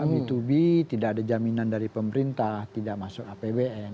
b dua b tidak ada jaminan dari pemerintah tidak masuk apbn